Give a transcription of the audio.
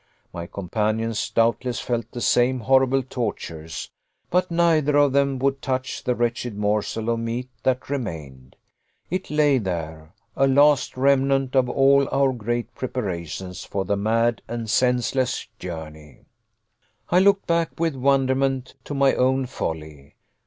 My companions, doubtless, felt the same horrible tortures, but neither of them would touch the wretched morsel of meat that remained. It lay there, a last remnant of all our great preparations for the mad and senseless journey! I looked back, with wonderment, to my own folly.